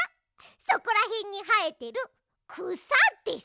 そこらへんにはえてるくさです。